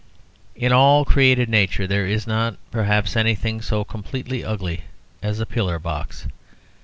In all created nature there is not, perhaps, anything so completely ugly as a pillar box.